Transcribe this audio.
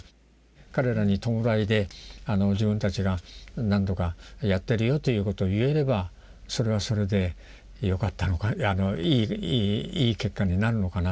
彼らに弔いで自分たちが何とかやってるよということを言えればそれはそれでよかったのかいい結果になるのかなという。